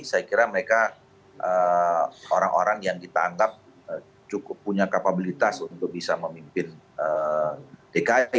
saya kira mereka orang orang yang kita anggap cukup punya kapabilitas untuk bisa memimpin dki